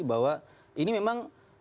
bahwa ini memang